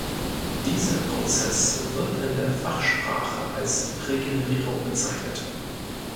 Dieser Prozess wird in der Fachsprache als Regenerierung bezeichnet.